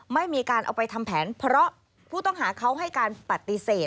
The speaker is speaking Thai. ไม่มีการเอาไปทำแผนเพราะผู้ต้องหาเขาให้การปฏิเสธ